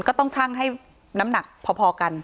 ก็ต้องชั่งให้น้ำหนักพอกัน